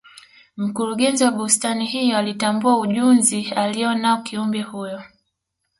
mkurugenzi wa bustani hiyo alitambua ujunzi aliyo nao kiumbe huyo